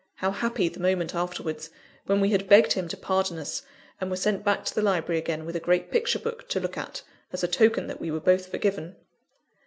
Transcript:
How happy the moment afterwards, when we had begged him to pardon us, and were sent back to the library again with a great picture book to look at, as a token that we were both forgiven!